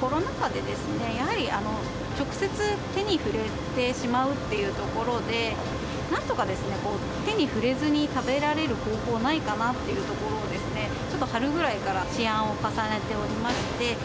コロナ禍でやはり、直接手に触れてしまうっていうところで、なんとか手に触れずに食べられる方法はないかなっていうところを、ちょっと春ぐらいから思案を重ねておりまして。